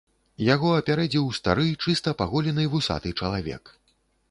Яго апярэдзіў стары, чыста паголены вусаты чалавек.